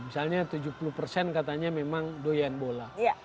misalnya tujuh puluh persen katanya memang doyan bola